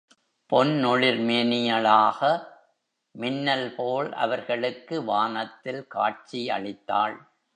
பொன் ஒளிர் மேனியளாக மின்னல் போல் அவர்களுக்கு வானத்தில் காட்சி அளித்தாள்.